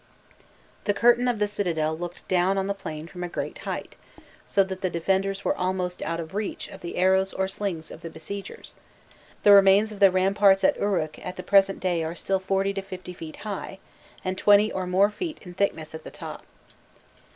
The curtain of the citadel looked down on the plain from a great height, so that the defenders were almost out of reach of the arrows or slings of the besiegers: the remains of the ramparts at Uruk at the present day are still forty to fifty feet high, and twenty or more feet in thickness at the top.